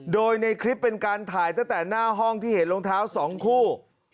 โดยในคลิปเป็นการถ่ายตั้งแต่หน้าห้องที่เห็นรองเท้า๒คู่